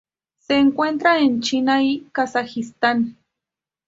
Se encuentra en China y Kazajistán.